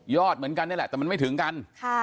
เหมือนกันนี่แหละแต่มันไม่ถึงกัน